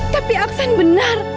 tapi aksen benar